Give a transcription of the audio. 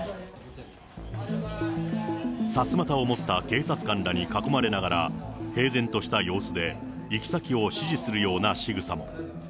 さすまたを持った警察官らに囲まれながら、平然とした様子で、行き先を指示するようなしぐさも。